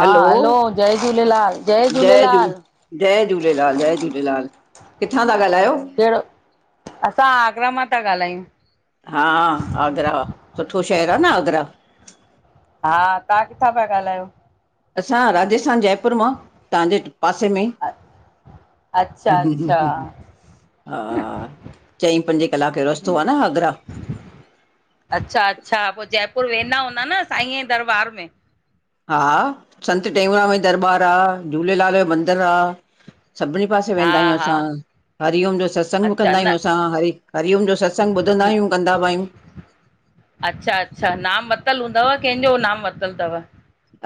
हलो लाल जय जय झू झूलेलाल जय झूलेलाल, जय झूलेलाल किथां था ॻाल्हायो? जहिड़ो असां आगरा मां था ॻाल्हायूं। हा आगरा, सुठो शहर आह न आगरा हा, तहां किथां पिया ॻाल्हायो? असां राजस्थान जयपुर मां तव्हांजे पासे में ही अच्छ, अच्छा, अच्छा हा चईं पंजे किलाक जो रस्तो आह न आगरा। अच्छा, अच्छा पोइ जयपुर वेंदा हूंदा न साईं जी दरबार में। हा संत टेऊंराम जी दरबार आह, झूलेलाल जो मंदिर आह सभिनी पासे हा वेंदा आहियूं हा असां। हरिओम जो सत्संग बि अच्छा कंदा न आहियूं असां हरी हरिओम जो सत्संग ॿुधंदा आहियूं कंदा ब आहियूं। अच्छा, अच्छा नाम वतल हूंदव कंहिंजो नाम वतल थव?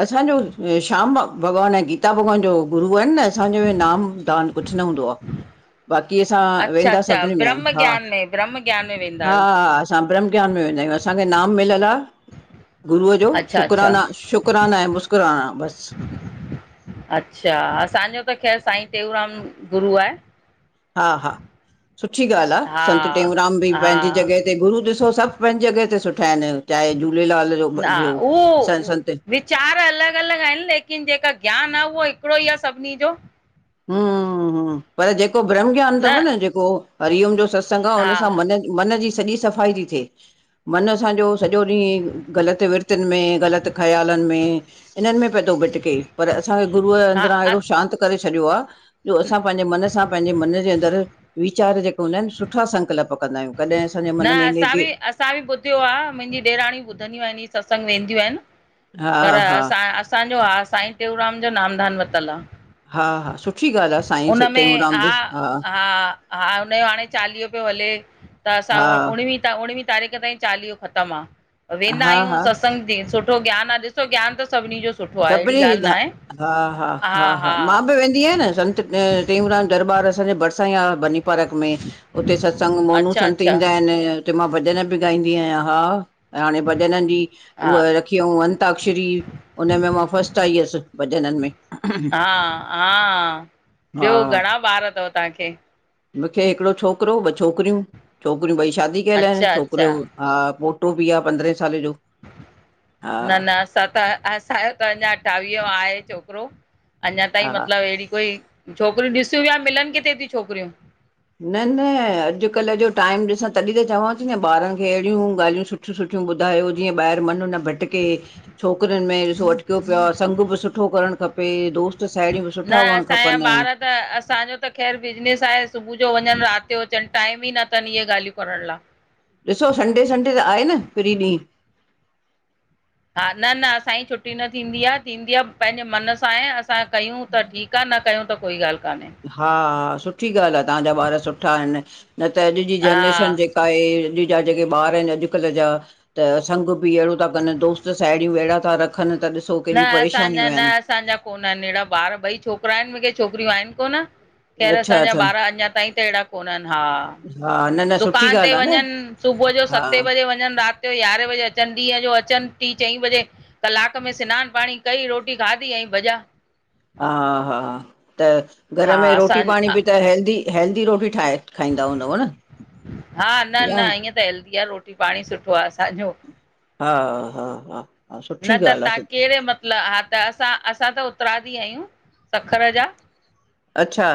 असांजो श्याम भ भगवान आहिन। गीता भॻवान जो गुरू आहिनि न असांजो नाम दान कुछ न हूंदो आह। बाक़ी असां अच्छा वेंदा अच्छा सभिनी में आहियूं ब्रह्म हा, ज्ञान में ब्रह्म ज्ञान में वेंदा हा, आहियो हा असां ब्रह्म ज्ञान में वेंदा आहियूं असांखे नाम मिलियल आह गुरू अ जो अच्छा अच्छा शुकराना शुक कुराना आहे मुस्कराना हा, बस। अच्छा असांजो त खैर साईं टेऊंराम गुरू आहे। हा, हा सुठी ॻाल्हि आह, हा संत टेऊंराम बि हा पंहिंजी जॻह त गुरू ॾिसो सभु पंहिंजी जॻह ते सुठा आहिनि चाहे झूलेलाल जो ॿियो स संत चार अलॻि अलॻि आहिनि लेकिन जेका ज्ञान आहे उहो हिकिड़ो हीअं आह सभिनी जो हु पर जेको ब्रह्म ज्ञान थव न जेको हरिओम जो सत्संग आह हुन सां हा मन मन जी सॼी सफ़ाई थी थे मन असांजो सॼो ॾींहुं ग़लति विर्तुन में ग़लत ख़्यालनि में हिननि में पियोए थो भिटके पर असांखे गुरूअ अंदरां हा हेड़ो शांत करे छॾियो आह जो असां पंहिंजे मन सां पंहिंजे मन जे अंदरु विचार जेके हूंदा आहिनि सुठा संकल्प कंदा आहियूं। कॾहिं असांजे न मन में असां नेगे बि असां बि ॿुधियो आह, मुंहिंजी ॾेराणी ॿुधंदियूं आहिनि हीअं सत्संग वेंदियूं आहिनि। हा पर हा असां असांजो हा साईं टेऊंराम जो नामधान वतलु आह। हा हा सुठी ॻाल्हि आहे साईं हुनमें टेऊंराम बि हा, हा, हा हुनयो हाणे चालीहो पियो हले। त असां हा उ उणवीह त उणिवीह तारीख़ ताहिं चालीहो ख़तमु आह, वेंदा हा आहियूं हा सत्स त्संग ते सुठो ज्ञान आह, ॾिसो ज्ञान त सभिनी जो सुठो आहे अहिड़ी सभिनी खें ॻाल्हि न जा आहे हा, हा, हा, हा, मां बि वेंदी आहियां न संत टेऊंराम दरबार असांजे भरसां ई आह बनी परख में उते सत्संग मोनू अच्छा संत अच्छा ईंदा आहिन हुते मां भॼन बि गाईंदी आयां हाँ हाणे भॼनन जी उव हा किय उं अंताक्षरी हुन में मां फस्ट आई अस भजनन में हा, हा हा ॿियो घणा ॿार थव ताखें मूंखे हिकड़ो छोकिरो ॿ छोकिरियूं, छोकिरियूं ॿई शादी कयल आहिन, अच्छा छोकिरिय अच्छा हा पोटो बि आह पंद्रहें साले जो। हा न, न असां त असांजो त अञा अठावीहो जो आहे छोकिरो। अञा ताईं हा मतलब हेड़ी कोई, छोकिरियूं ॾिसूं वयां मिलन किथे थी छोकिरियूं। न, न अॼु कल जो टाइम ॾिसां तॾहिं त चवां थी न ॿारनि खे हेड़ियूं ॻाल्हियूं सुठ सु, सुठ्यूं ॿुधायो जीएं ॿाहर मन न भटके। छोकरिन में ॾिसो अटक्यो पयो आ, संग बि सुठो करण खपे, दोस्त त, साहड़ियूं बि सुठा हुअण असांजा खपन। ॿार न असांजो त ख़ैरु बिजनेस आहे, सुभू जो वञन, रात जो अचन, टाइम ई नथन इहे ॻाल्हियूं करण ला। ॾिसो संडे- संडे त आहे न, फ्री ॾींह। हा, न- न असांजी छुट्टी न थींदी आ, थींदी आ पैंजे मन सां आहे, असां कयूं त ठीक आ, न कयूं त कोई ॻाल्ह कान्हें। हा, सुठी ॻाल्ह आ, तहांजा ॿार सुठा एन, न त अॼ जी हा जनरेशन जेका का ए अॼ जा जेके ॿार एन, अॼकल्ह जा त संग बि अहिड़ो ता कन, दोस्त साहिड़ियूं अहिड़ा ता रखन, त ॾिसो न केॾयूं असांजा परेशानयूं न एन। असांजा कोन्हन एड़ा ॿार, ॿई छोकरा आहिन मूंखे छोकरियूं आहिन कोन। खैर अच्छा असांजा अच्छा ॿार, अंञा ताईं त एड़ा कोन्हन, हा हा न न सुठी दुकान ते ॻाल्हि आहे न वञन, सुभूह जो हा सतें बजे वञन, रात जो, यारहें बजे अचन, ॾींहं जो अचन टीं चईं बजे, कलाक में सिनान पाणी कई, रोटी खाधी, अईं भॼा। हा हा, त घर हा में रोटी असां पाणी बि त, हैेल्दी, हैल्दी रोटी ठाइ। हा, न या न ईअं त हैल्दी आ, रोटी पाणी सुठो आ असांजो। हा हा, हा हा न सुठी त ॻाल्हि आहे तां सुठी केड़े मतलब हा, त असां असां त उतराधी आयूं सखर जा। अच्छा,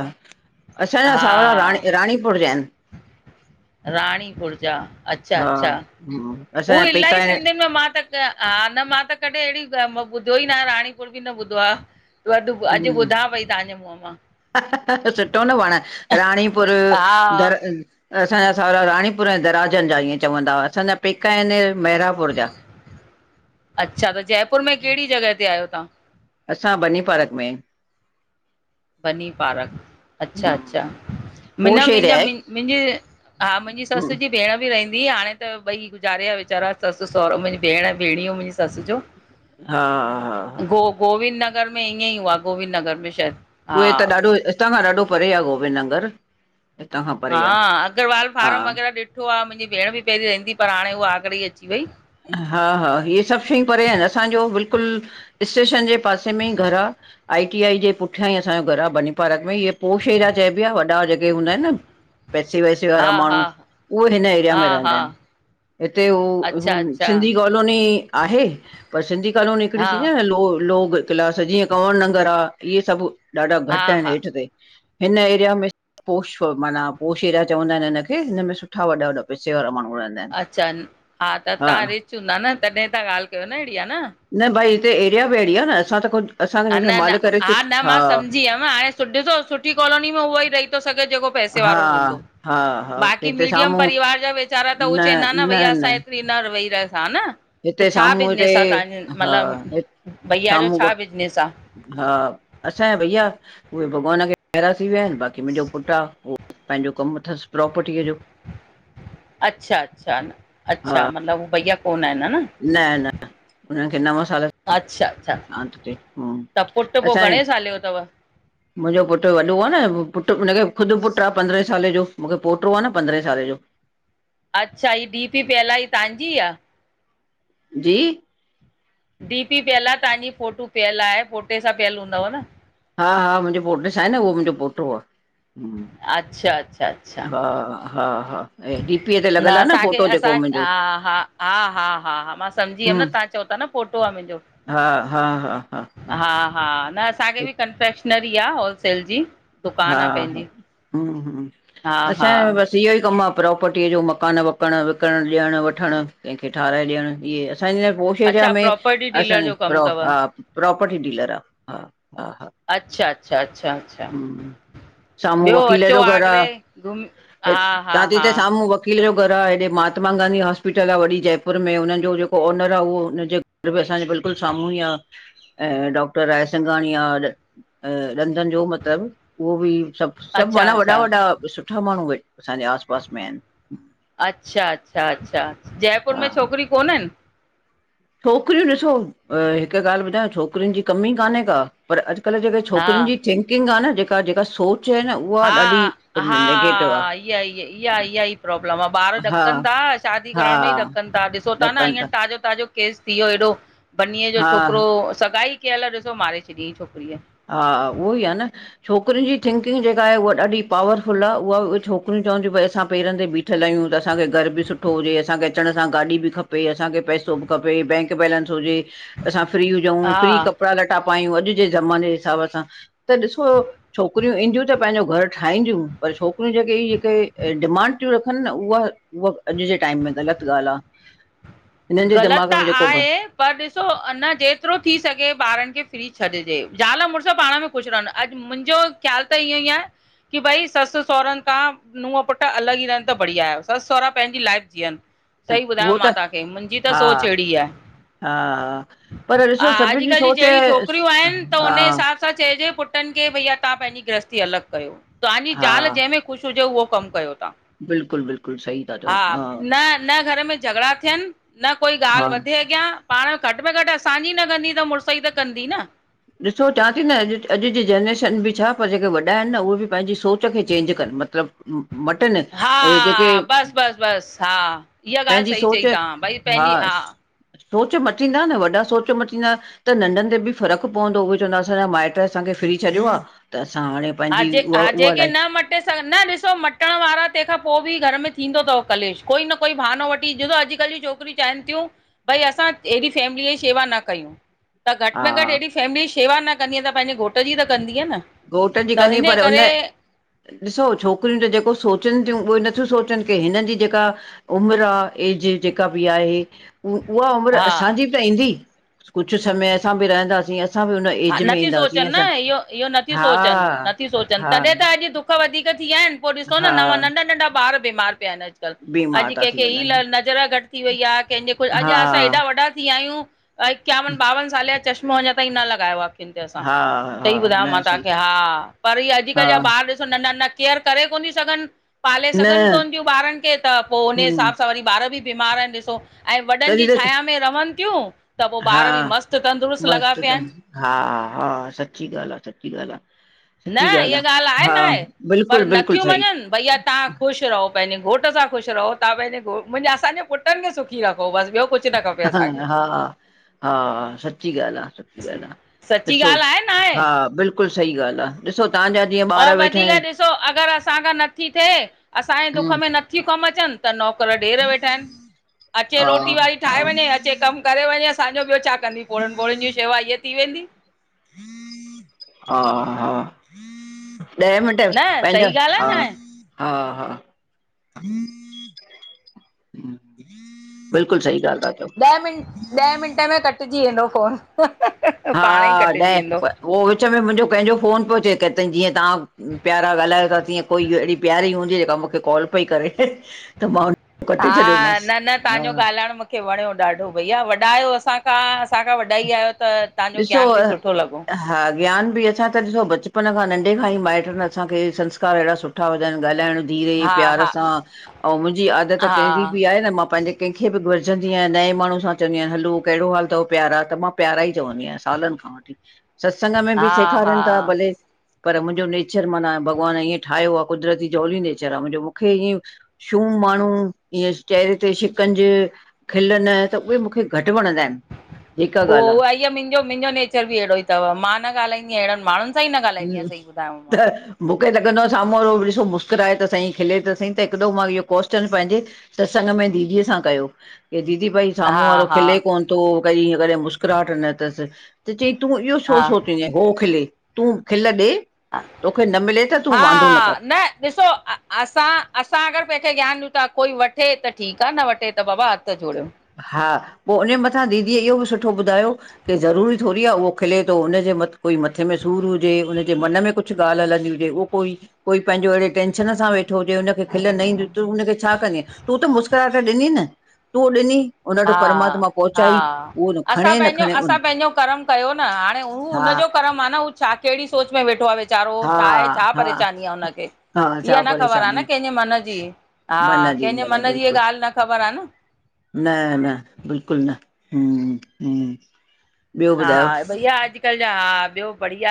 असांजा हा साहुरा रांणी रांणीपुर जा एन। रांणीपुर जा, अच्छा हा अच्छा, हम्म उओ असांजा पेका इलाही सिंधयुन में मां त त हा, न मां त, कॾहिं एड़यूं मां ॿुधयो ई नांहे, राणीपुर बि न ॿुधो आ। अॼ आहिनि ॿुधां पई तहांजे मुंह मां। सुठो न पाण, रांणीपुर हा हा दर् असांजा साहुरा राणीपुर ऐं दराजन जा, ईंएं चवंदा हुआ, असांजा पेका एन मैरापुर जा। अच्छा, त जयपुर में केड़ी जगह ते आयो तहां? असां बनीं पारक में। बनीं पारक। अच्छा अच्छा, मिनां पोश एरिया मुंजा, आहे मुंजी हा मुंजी सस जी भेण बि रहंदीही, हाणे त ॿई गुज़ारेवया वेचारा, सस सहुरो मुंजी भेंण भेंणियो मुंजी सस जो। हा हा, हा हा गो गोविंद नगर में, ईअंई हुआ गोविंद नगर में शायद उहे त ॾाढो, हितां खां ॾाढो परे आ, गोबिंद नंगर। हां, अगरवाल फार्म वग़ैरा ॾिठो आ, मुंजी भेण बि पहिरीं रहंदीही, पर हाणे उहा आगरे ई अची वई। हा हा, इहे सभ शयूं परे एन, असांजो बिल्कुल स्टेशन जे पासे में ईं घर आ। आई, टी, आई जे पुठयां ई असांजो घर आ, बनीपारक में, इहे पोश एरिया चइबी आ, वॾा जेके हूंदा एन न। पैसे वैसे वारा हा हा मांण्हूं, उहो हिन एरिया हा में हा रहंदा एन, हिते हू, हू अच्छा अच्छा सिंधी कॉलोनी आहे, पर सिंधी कॉलोनी हिकड़ी हा थींदी आ न, लो लोग क्लास, जीअं कंवर नंगर आ, इहे सभ ॾाढा हा घट अहिन हा हेठ ते, हिन एरिया में पोष माना पोष एरिया, चवंदा ऐन हिनखे, हिन में सुठा वॾा वॾा पैसे वारा माण्हूं रहंदा एन। अच्छा, हा त तहां रिच हूंदा न तॾहिं ता ॻाल्हि कयो न हेड़ी, हा न? न भाई, हिते एरिया बि एड़ी आ न, असां त खुद आ न न, हा न, मां सम्झी वयम, हाणे सु ॾिसो सुठी कॉलोनी में उहोई रही तो सघो जेको पैसे हा वारो हूंदो, हा हा बाक़ी हिते मीडियम साम्हूं परिवार जा वेचारा त हू चेंदा न, भई असां एत पींदा वेइ रह हा न, त हिते छा साम्हूं हिते बिजनेस आ तांजो हा मतिलबु भैया जो छा साम्हूं बिज नेस आ। हा असांजा भईया, उहे भॻवान खे प्यारा थी विया आहिनि बाक़ी मुंहिंजो पुटु आ उहो पंहिंजो कम अथसि प्रोपर्टीअ जो। अच्छा अच्छा, हा अच्छा मतिलबु उ भैया कोन आहिनि ह न। न न हुननि खे नव सालु अच्छा अच्छा हा त चऐ हो त पुटु पोइ असांय घणे साले जो अथव मुंहिंजो पुटु वॾो आ न, पुटु हुनखे ख़ुदि पुटु आ पंद्रहें साले जो, मूंखे पोटो आ न पंद्रहें साले जो। अच्छा ही डीपी पियल आ ही तव्हांजी आ। जी डीपी पियल आ तांजी फोटू पियल आए पोटे सां पियल हूंदव न। हा हा मुंहिंजे पोटे सा आहे न उहो मुंहिंजो पोटो आ। अच्छा अच्छा अच्छा हा, हा हा। ऐं डीपीअ ते न लॻल आहे असांखे फोटो जेको असां मुंहिंजो हा हा हा हा हा हा मां समझी वियम न हम तां चओ ता न पोटो आ मुंहिंजो, हा हा हा हा हा न असांखे बि कंफ्रेशनरी आ होलसेल जी। हा दुकानु आहे हा पंहिंजी हू हू हा हा असांय बस इहो ई कमु आ प्रोपर्टीअ जो मकान वकान विकरण ॾियण वठणु कंहिंखे ठाहिराय ॾियण इहे असांजा पोष एरिया अच्छा में, प्रॉपर्टी असां डीलर जो कमु प्रो अथव हा प्रोपर्टी डीलर आ हा हा हा। अच्छा अच्छा अच्छा अच्छा, हम्म साम्हूं ॿियो वकील अचो जो घर आ आगरे घुम, हा हा चवां थी हा त साम्हूं वकील जो घर आ हेॾे महात्मा गांधी हॉस्पिटल आ वॾी जयपुर में हुननि जो जेको ओनर आ उहो हुनजे त बि असांजे बिल्कुल साम्हूं ई आ ऐं डॉक्टर रायसिंघाणीआ ॾ अ ॾधन जो मति तबु उहो बि सभु सभु अच्छा माना वॾा अच्छा वॾा सुठा माण्हू वे असांजे आस पास में आहिनि। अच्छा अच्छा अच्छा जयपुर में हा हा छोकिरी कोननि? छोकिरियूं ॾिसो, हिकु ॻाल्हि ॿुधायां छोकिरियुनि जी कमी ई कान्हे का पर अॼुकल्ह जेके हा छोकिरियुनि जी थिंकिंग आ न जेका जेका सोच आ न उहा ॾाढी हा नेगेटिव आहे हा, इया इया ई प्रॉब्लम आ ॿार हा ॾकनि ता, शादी हा करण में ई ॾक ॾकनि ता ॾिसो ता न ॾकनि हियर था ताज़ो ताज़ो केस थी वियो एॾो, बनीअ जो हा छोकिरो सगाई कयल ॾिसो मारे छॾियईं छोकिरीअ। हा उवोइ आ न छोकिरियुनि जी थिंकिंग जेका आए हुव ॾाॾी पावरफुल आ उहा बि छोकिरियूं चवन तियूं भी असां पेरनि ते बी बीठल आहियूं त असांखे घर बि सुठो हुजे असांखे अचण सां गाॾी बि खपे असांखे पैसो बि खपे, बैंक बैलेंस हुजे असां फ्री हुजऊं फ्री हा कपिड़ा लटा पायूं अॼु जे ज़माने हिसाब सां त ॾिसो छोकिरियूं ईंदियूं त पंहिंजो घर ठाहींदियूं पर छोकिरियूं जेके इ जेके डिमांड तियूं रखनि न उहा उहा अॼु जे टाइम में ग़लति ॻाल्हि आ। हिननि जे ग़लत दिमाग़ त में जेको आहे पर ॾिसो अ न जेतिरो थी सघे ॿारनि खे फ्री छॾजे, ज़ाल मुड़ुसु पाण में खूश रंहनि, अॼु मुंहिंजो ख़्याल त इएं ई आ की ॿई ससु सहुरनि खां नुंह पुट अलॻि ई रहनि त बढ़िया आए, ससु सहुरा पंहिंजी लाइफ जीअनि सही ॿुधाया उहो मां त तव्हांखे। मुंहिंजी त हा सोच ऐड़ी आ। हा। पर ॾिसो सभिन जी अॼुकल्ह सोच जहिड़ी छोकिरियूं आहिनि त हा। उन सां हिसाब चइजे पुटनि खे भईया तहां पंहिंजी गृहस्थी अलॻि कयो तव्हांजी हा ज़ाल जहिं में खुश हुजे उहो कम कयो तहां, बिल्कुलु बिल्कुलु सही था चओ हा न न घर में झगड़ा थियनि न कोई हा ॻाल्हि वधे अग् अॻिया़ पांण घटि में घटि असांजी न कंदी त मुड़ुसई त कंदी न ॾिसो चवां थी न अॼु -अॼु जी जनरेशन बि छा, पर जेके वॾा हिनि न उहे बि पांजी सोच खे चेंज कनि मतिलबु मतिलब मटिन हे जेके हा बसि बसि बसि हा इह्या ॻाल्हि पंहिंजी सही सोच चई तहां भई पंहिंजी हा सोच मटींदा न वॾा सोच मटींदा त नंढनि ते बि फ़र्क़ु पवंदो, उहे चवंदा असांजा माइट्र असांखे फिरी छॾियो आ त असां हाणे हा पंहिंजी जे उहा हा उहा जेके लाइफ न मट मटे सघन, न ॾिसो मटण वारा तहिखां पो बि घर में थींदो तव कलेश कोई न कोई बहानो वठी ॾिसो अॼुकल्ह जी छोकि छोकिरियूं चाहिनि तियूं, भई असां ऐॾी फैमिलीअ जी शेवा न कयूं त घटि हा में घटि हेॾी फैमिलीअ जी शेवा न कंदीअ त पंहिंजे घोट जी त कंदीअ न घोट जी त कंदी इन पर करे उन्ह ॾिसो छोकिरियुन जो जेको सोचिनि थियूं उहो नथियूं सोचनि के हिननि जी जेका उमिर आ एज जेका बि आहे उ उहा उमिरि हा असांजी बि त ईंदी, कुछु समय असां बि रहंदासीं असां बि उन हा नथियूं सोचनि न इह्यो -इह्यो नथियूं सोचनि हा नथियूं सोचनि हा तॾहिं त अॼु दुख वधीक थी या इनि पो ॾिसो हा नवां नंढा नंढा ॿार बीमार पिया इनि अॼु अॼुकल, बीमार अॼु था थी कहिखे ही वञनि हा लर न नज़र घटि थी वई आ, कंहिंजे कुछ अॼु हा असां एॾा वॾा थी विया आहियूं इक्यावन ॿावन सालें या चश्म मो अञां ताईं न लॻायो आ अखियुनि ते असां हा हा सही ॿुधाया़व मां न सही तहांखे हा पर इह्ये अॼुकल्ह हा जा ॿार ॾिसु नंढा -नंढा केयर करे कोन थियूं सघनि पाले न सघनि कोन थियूं ॿारनि खे त पो उन्हे हम्म हिसाब सां वरी ॿार बि बीमार आहिनि ॾिसो ऐं वॾनि जी तॾहिं त छाया में रहनि तियूं, त पो हा ॿार बि मस्तु तंदुरुस्तु लॻा मस्तु पिया त हिनि। हा हा, सच्ची ॻाल्हि आ सच्ची ॻाल्हि आ। न इह्य ॻाल्हि आहे ना हे पर बिल्कुलु बिल्कुलु नथियूं सही मंञंनि भईया तव्हां ख़ुशि रहो पंहिंजे घोट सां ख़ुशि रहो तहां पंहिंजे घो मुंजा असांजे पुट्रनि खे सुखी रखो बसि ॿियो कुछु ह हा हा सच्ची ॻाल्हि आ सच्ची ॻाल्हि आ। सची ॾिसो ॻाल्हि आहे न आहे हा, बिल्कुलु सही ॻाल्हि आ ॾिसो तव्हांजा। जीअं और ॿार वेठा वधीक आहिनि ॾिसो अगरि असांखां नथी थिए असांजे दुख हम्म में नथियूं कमु अचनि त नौकर ॾेर वेठा हिनि, अचे हा रोटी वारी हा ठाहे वंञें, अचे कमु करे वंञें असांजो ॿियो छा कंदी पोड़नि - पोड़युनि जी शेवा हीअं थी वेंदी। हा हा। ॾहे मिन्टें में न पंहिंजा, सही ॻाल्हि आहे हा न आहे हा हा। बिल्कुलु सही ॻाल्हि ता चओ। ॾह मिंट, ॾह मिन्ट में कटिजी वेंदो फोन। हा पाणे ई कटिजी ॾहें, वेंदो उहो विच में मुंजो कंहिंजो फोन पियो अचे केतें जीअं तव्हां। प्यारा ॻाल्हायो ता, तीअं कोई अहिड़ी प्यारी हूंदी जेका मुखे कॉल पई करे त मां उन हा, न न तहांजो ॻाल्हाइण मुख खे वणिंयो ॾाढो, भईया वॾा आहियो असांखां असांखां वॾा ही आहियो त तहांजो ज्ञान ॾिसो बि सुठो लॻो। हा ज्ञान बि असां त ॾिसो बचपन खां नंढे खांई माइट्रनि असांखे संस्कार अहिड़ा सुठा विधाइन ॻाल्हाइणु धीरे हा प्यार हा सां, अंउं मुंजी आदत कहिणी हा बि आहे न मां पांजे कंहिंखे बि घुरजंदी आहिया नए माण्हूं सां चवंदी आहियान हलो कहिड़ो हाल तव प्यारा त मां प्यारा ई चवंदी आहियां सालनि खां वठी। सत्संग में बि हा हा सेखारनि था भले पर मुंहिंजो नेचर माना भॻवानु ईअं ठाहियो आ, कुदरती जौली नेचर आ मुंहिंजो मुखे ईएं छूम माण्हू ईअ चेहिरे ते शिकंज खिल न, त उहे मुखे घटि वणंदा आहिनि। जेका उहो ॻाल्हि उहाई मुंहिंजो, मुंहिंजो नेचर बि अहिड़ो ई त, मां न ॻाल्हाईंदी आहियां अहिड़नि माण्हुनि सही न ॻालाईंदीय आहे आयां, सही ॿुधाया मां त। मूंखे लॻंदो आहे साम्हूं वारो बि ॾिसो मुखे लॻंदो आ साम्हूं वारो मुस्कराए त साईं खिले त सईं त हिकॾो मां इहो क्वेस्शन पंहिंजे सत्संग में दीदीअ सां कयो, कि दीदी भई साम्हूं हा वारो हा खिले कोन तो, भई कॾहिं मुस्कराहट न तसि। त चयईं, तूं इहो छो हा सोचिजें, हो खिले, तूं खिल ॾे। तोखे न मिले त तूं वांदो कर हा, न ॾिसो अ असां, असां अगरि केखे ज्ञानु ॾियूं था कोई वठे त ठीकु आ, न वठे त बाबा हथु जोड़ियो। हा, पोइ उन्हीअ मथां दीदीअ इहो बि सुठो ॿुधायो कि ज़रूरी थोरईआ, उहो खिले थो, हुनजे कोई मथे में सूर हुजे, हुनजे मन में कुछु कुछु ॻल्हि हलंदी हुजे उहो कोई कोई पंहिंजो अहिड़े टेंशन सां वेठो हुजे हुनखे खिल न ईंदी, तूं हुनखे छा कंदीअं? तूं त मुस्कराहट ॾिनी न, तूं ॾिनी? हुन वटि हा परमात्मा हा पहुचाई उहो न असां खणे न पंहिंजो, खणे असां उन पंहिंजो कर्म कयो न, हाणे हू हा हुनजो कर्म आ न, हू। छा कहिड़ी सोच में वेठो आ विचारो? हा छा आहे, छा हा परेशानी आ उनखे? हा इहा छा न ख़बर आ न परेशानी कंहिंजे मन जी, हा, मन जी कंहिंजे मन जी ईया बिल्कुलु ॻाल्हि न ख़बर आ न। न न बिल्कुलु न। हम्म, हम्म। ॿियो ॿुधायो हा भईया। अॼकल जा, हा ॿियो बढ़िया।